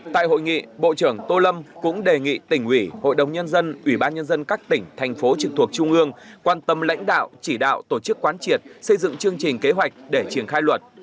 tại hội nghị bộ trưởng tô lâm cũng đề nghị tỉnh ủy hội đồng nhân dân ủy ban nhân dân các tỉnh thành phố trực thuộc trung ương quan tâm lãnh đạo chỉ đạo tổ chức quán triệt xây dựng chương trình kế hoạch để triển khai luật